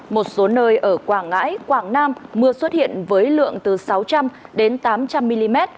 một số nơi ở quảng ngãi quảng nam mưa xuất hiện với lượng từ sáu trăm linh đến tám trăm linh mm